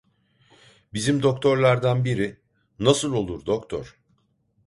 Bizim doktorlardan biri: "Nasıl olur doktor?"